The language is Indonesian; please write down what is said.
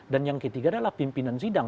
dan yang ketiga adalah pimpinan sidang